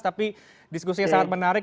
tapi diskusinya sangat menarik